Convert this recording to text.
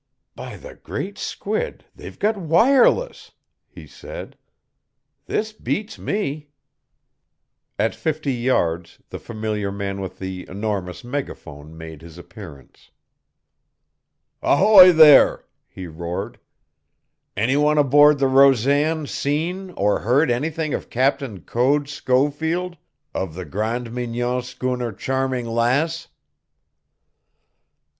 "By the great squid, they've got wireless!" he said. "This beats me!" At fifty yards the familiar man with the enormous megaphone made his appearance. "Ahoy there!" he roared. "Any one aboard the Rosan seen or heard anything of Captain Code Schofield, of the Grande Mignon schooner _Charming Lass?